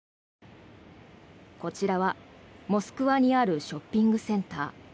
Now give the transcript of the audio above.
こちらはモスクワにあるショッピングセンター。